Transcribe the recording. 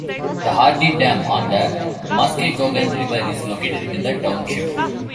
The Hardy Dam on the Muskegon River is located in the township.